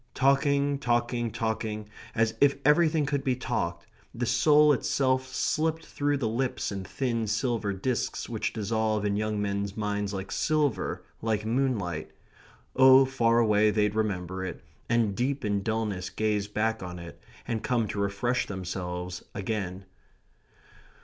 Talking, talking, talking as if everything could be talked the soul itself slipped through the lips in thin silver disks which dissolve in young men's minds like silver, like moonlight. Oh, far away they'd remember it, and deep in dulness gaze back on it, and come to refresh themselves again.